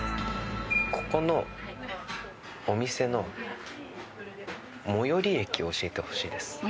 ここのお店の最寄駅教えてほしいです。